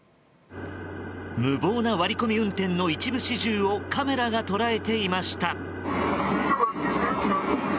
無謀な割り込み運転の一部始終をカメラが捉えていました。